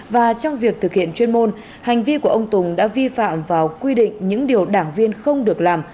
và trong việc thực hiện chuyên môn hành vi của ông tùng đã vi phạm vào quy định những điều đảng viên không được làm